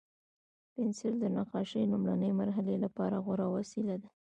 پنسل د نقاشۍ لومړني مرحلې لپاره غوره وسیله ده.